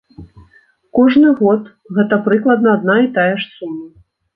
Кожны год гэта прыкладна адна і тая ж сума.